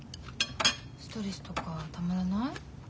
ストレスとかたまらない？